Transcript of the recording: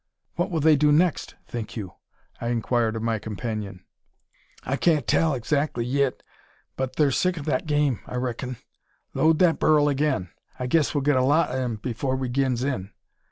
"What will they do next, think you?" I inquired of my companion. "I can't tell adzactly yit; but thur sick o' that game, I reckin. Load that ber'l agin. I guess we'll git a lot o' 'm afore we gins in.